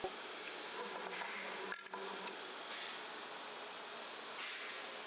tumia ganda la limao kwa ajili ya harufu nzuri kwenye keki ya viazi li